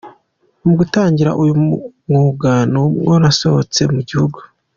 Mu gutangira uyu mwuga ni bwo nasohotse mu gihugu.